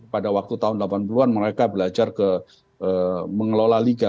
pada waktu tahun delapan puluh an mereka belajar ke mengelola liga